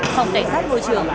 phòng cảnh sát ngoại trưởng